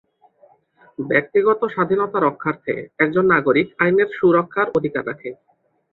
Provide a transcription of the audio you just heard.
ব্যক্তিগত স্বাধীনতা রক্ষার্থে একজন নাগরিক আইনের সুরক্ষার অধিকার রাখে।